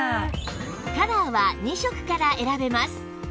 カラーは２色から選べます